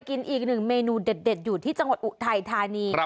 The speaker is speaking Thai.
อีกหนึ่งเมนูเด็ดอยู่ที่จังหวัดอุทัยธานี